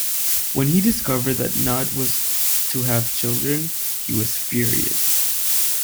When he discovered that Nut was to have children, he was furious.